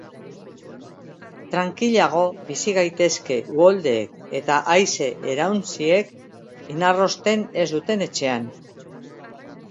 Trankilago bizi gaitezke uholdeek eta haize-erauntsiek inarrosten ez duten etxean.